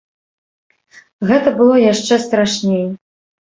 Гэта было яшчэ страшней.